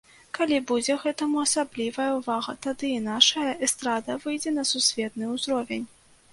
Калі будзе гэтаму асаблівая ўвага, тады і нашая эстрада выйдзе на сусветны ўзровень.